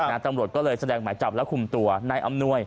ตำรวจก็เลยแสดงหมายจับและคุมตัวนายอำนวย